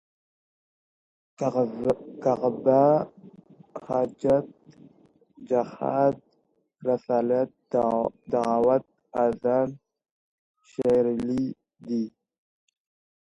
کعبه، حجاب جهاد، رسالت، دعوت، اذان....شعائر الله دي